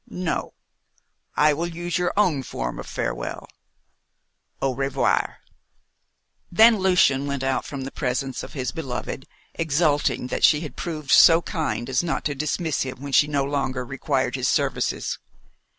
"No. I will use your own form of farewell au revoir." Then Lucian went out from the presence of his beloved, exulting that she had proved so kind as not to dismiss him when she no longer required his services.